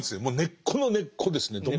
もう根っこの根っこですね。